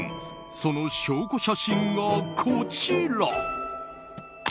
その証拠写真がこちら。